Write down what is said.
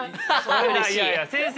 いやいや先生